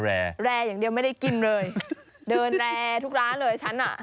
แร่อย่างเดียวไม่ได้กินเลยเดินแรทุกร้านเลยฉันอ่ะ